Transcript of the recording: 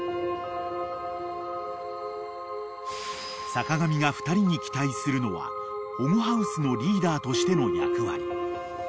［坂上が２人に期待するのは保護ハウスのリーダーとしての役割］